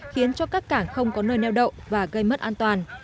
khiến cho các cảng không có nơi neo đậu và gây mất an toàn